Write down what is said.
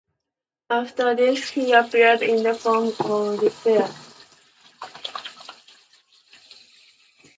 After death he appeared in the form of the reptile.